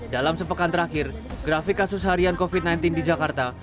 dalam sepekan terakhir grafik kasus harian covid sembilan belas di jakarta